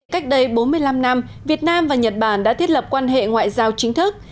cách đây bốn mươi năm năm việt nam và nhật bản đã thiết lập quan hệ ngoại giao chính thức